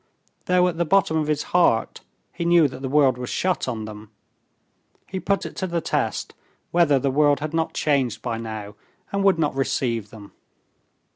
Though at the bottom of his heart he knew that the world was shut on them, he put it to the test whether the world had not changed by now and would not receive them.